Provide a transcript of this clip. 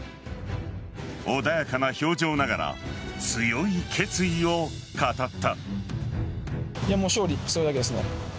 穏やかな表情ながら強い決意を語った。